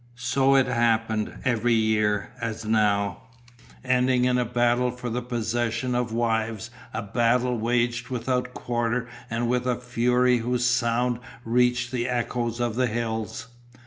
So it happened every year as now, ending in a battle for the possession of wives, a battle waged without quarter and with a fury whose sound reached the echoes of the hills.